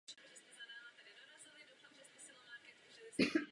Jsem opatrný, pokud jde o orientaci navenek nebo dovnitř.